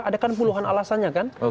itu adalah yang puluhan alasannya kan